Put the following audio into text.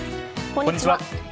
こんにちは。